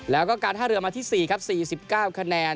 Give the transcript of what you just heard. แล้วก็การท่าเรือมาที่๔ครับ๔๙คะแนน